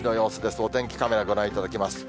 お天気カメラご覧いただきます。